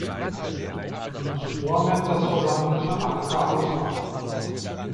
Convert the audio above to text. Nun muss Mohammed das Versäumnis von Alke ausbaden.